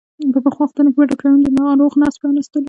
په پخوا وختونو کې به ډاکترانو د ناروغ نس پرانستلو.